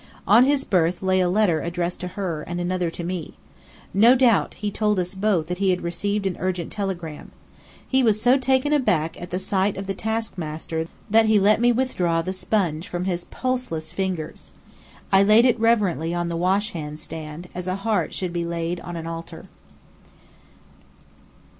On his berth lay a letter addressed to her, and another to me. No doubt he told us both that he had received an urgent telegram. He was so taken aback at sight of the task master that he let me withdraw the sponge from his pulseless fingers. I laid it reverently on the washhand stand, as a heart should be laid on an altar.